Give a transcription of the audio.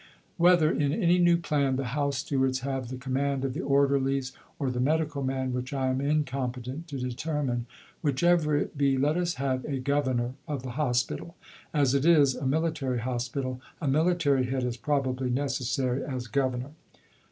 Whether, in any new plan, the House Stewards have the command of the Orderlies, or the Medical Man, which I am incompetent to determine, whichever it be let us have a Governor of the Hospital. As it is a Military Hospital, a Military Head is probably necessary as Governor.